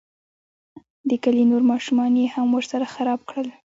د کلي نور ماشومان یې هم ورسره خراب کړل.